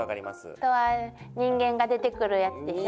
あとは人間が出てくるやつでしょ。